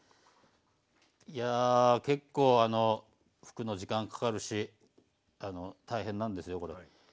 いや結構拭くの時間かかるし大変なんですよこれ。